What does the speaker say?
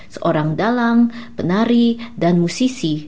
seorang dalang penari dan musisi